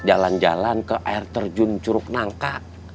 jalan jalan ke air terjun curug nangka